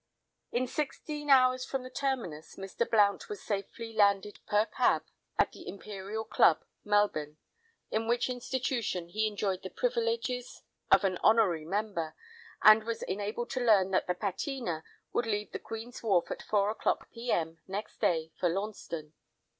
In sixteen hours from the terminus Mr. Blount was safely landed per cab at the Imperial Club, Melbourne, in which institution he enjoyed the privileges of an honorary member, and was enabled to learn that the Pateena would leave the Queen's Wharf at four o'clock p.m. next day for Launceston.